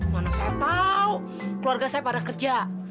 mana saya tahu keluarga saya pada kerja